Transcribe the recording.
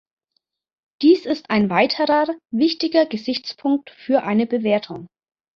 Dies ist ein weiterer wichtiger Gesichtspunkt für eine Bewertung.